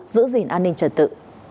giữ gìn an ninh trần tự